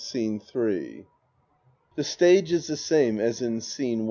Scene III {The stage is the same as in Scene I.